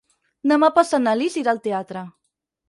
Demà passat na Lis irà al teatre.